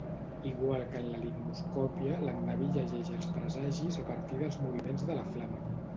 Igual que en la licnoscòpia, l'endeví llegeix els presagis a partir dels moviments de la flama.